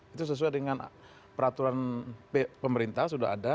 itu sesuai dengan peraturan pemerintah sudah ada